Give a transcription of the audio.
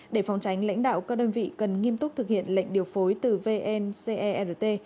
để phòng tránh lãnh đạo các đơn vị cần nghiêm túc thực hiện lệnh điều phối từ vncert